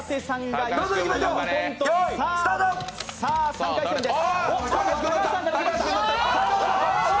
３回戦です。